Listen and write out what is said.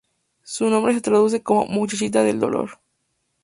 Su nombre se traduce como: "muchachita del dolor".